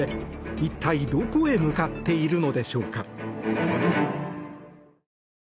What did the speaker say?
一体どこへ向かっているのでしょうか。